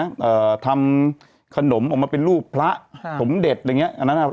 อ่าทำขนดมออกมาเป็นรูปพระสมเด็จอะไรอย่างเงี้ย